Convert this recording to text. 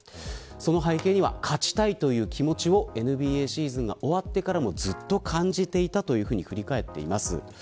その背景には勝ちたいという気持ちをＮＢＡシーズンが終わってからもずっと感じていたと振り返っています。